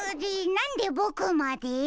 なんでボクまで？